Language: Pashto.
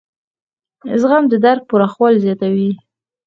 زغم د درک پراخوالی زیاتوي.